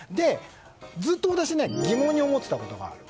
ずっと私、疑問に思っていたことがある。